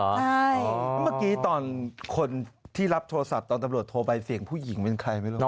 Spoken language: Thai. เมื่อกี้ตอนคนที่รับโทรศัพท์ตอนตำรวจโทรไปเสียงผู้หญิงเป็นใครไม่รู้